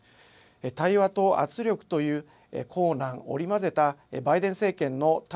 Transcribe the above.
対話と圧力という硬軟織り交ぜたバイデン政権の対